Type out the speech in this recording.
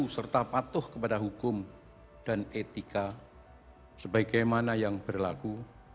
serta patuh kepada hukum dan etika sebagaimana yang berlaku